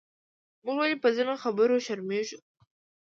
موږ ولې پۀ ځینو خبرو شرمېږو؟